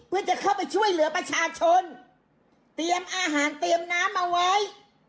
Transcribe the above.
เพื่อจะเข้าไปช่วยเหลือประชาชนเตรียมอาหารเตรียมน้ำเอาไว้